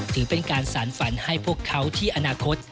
ถือเป็นการสารฝันให้พวกเขาที่อนาคต